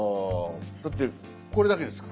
だってこれだけですから。